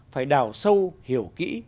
phải đào sâu hiểu kỹ